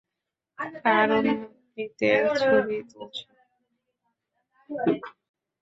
কার অনুমতিতে ছবি তুলছো?